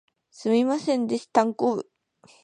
すみませんでしたんこぶ